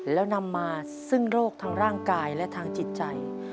แล้วนำมาซึ่งโรคทางร่างกายและทางจิตใจ